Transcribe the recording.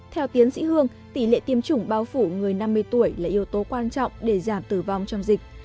theo tiến sĩ hương tỷ lệ tiêm chủng bao phủ người năm mươi tuổi là yếu tố quan trọng để giảm tử vong trong dịch